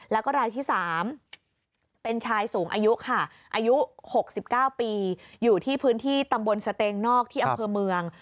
แล้วก็รายที่๓เป็นชายสูงอายุค่ะอายุ๖๙ปีอยู่ที่พื้นที่ตำบลสเตงนอกที่อำเภอเมือง